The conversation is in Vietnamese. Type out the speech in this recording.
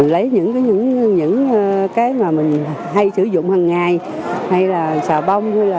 lấy những cái mà mình hay sử dụng hằng ngày hay là xào bông